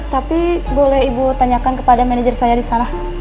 tapi boleh ibu tanyakan kepada manajer saya disalah